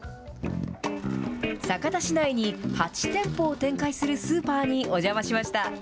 酒田市内に８店舗を展開するスーパーにお邪魔しました。